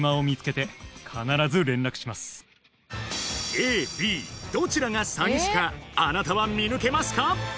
ＡＢどちらがサギ師かあなたは見抜けますか？